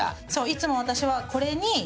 いつも私はこれに。